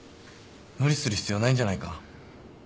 無理する必要ないんじゃないか？